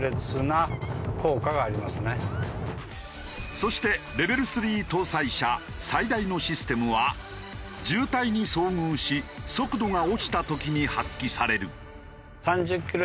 そしてレベル３搭載車最大のシステムは渋滞に遭遇し速度が落ちた時に発揮される。